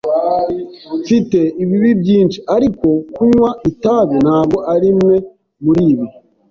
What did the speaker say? Mfite ibibi byinshi, ariko kunywa itabi ntabwo arimwe muribi.